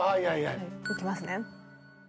いきますね。